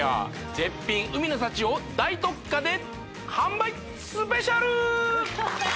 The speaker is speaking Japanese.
絶品海の幸を大特価で販売スペシャル！